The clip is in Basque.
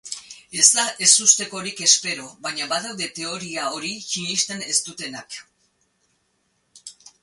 Ez da ezustekorik espero, baina badaude teoria hori sinesten ez dutenak.